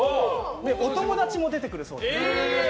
お友達も出てくるそうです。